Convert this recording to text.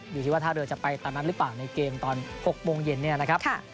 อยู่ที่ว่าท่าเรือจะไปตามนั้นหรือเปล่าในเกมตอน๖โมงเย็นเนี่ยนะครับ